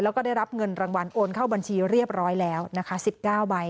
แล้วก็ได้รับเงินรางวัลโอนเข้าบัญชีเรียบร้อยแล้วนะคะ๑๙ใบ